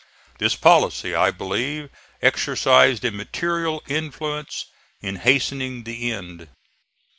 This policy I believe exercised a material influence in hastening the end.